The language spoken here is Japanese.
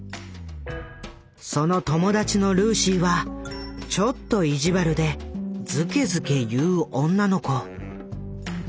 その友達のルーシーはちょっと意地悪でずけずけ言う女の子。